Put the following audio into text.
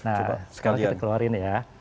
nah sekarang kita keluarin ya